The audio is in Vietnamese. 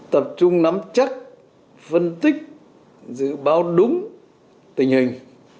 tập trung nắm chắc phân tích dự báo đúng tình hình